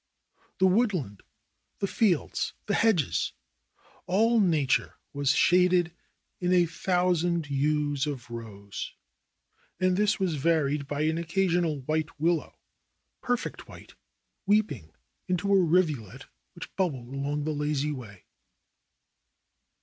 The woodland, the fields, the hedges, all nature was shaded in a thousand hues of rose. And this was varied by an occasional white willow, per fect white, weeping into a rivulet which bubbled along its lazy way.